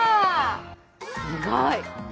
すごい！